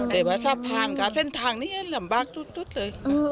แต่ว่าสะพานค่ะเส้นทางนี้ลำบากสุดเลย